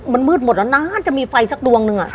มันมืดหมดแล้วนานจะมีไฟสักดวงหนึ่ง